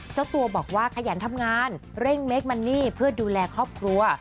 เจ้าตัวบอกว่าขยันทำงานเร่งเมคมันนี่เพื่อดูแลครอบครัว